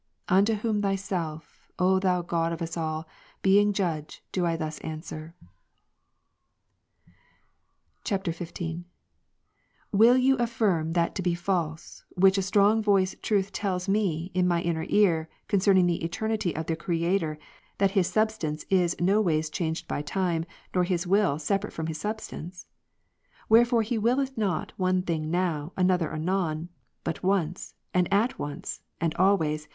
Unto whom, Thyself, O Thou God of us all, being Judge, do I thus answer: [XV.] 18. "Will you affirm that to be false, which with a strong voice Truth tells me in my inner ear, concerning the Eternity of the Creator, that His substance is no ways changed by time, nor His will separate from His substance ? Wherefore He wdlleth not one thing now, another anon, but once, and at once, and always.